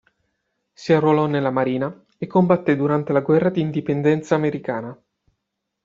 Si arruolò nella Marina e combatté durante la guerra d'indipendenza americana.